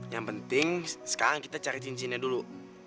yang penting sekarang kita cari cincinnya dulu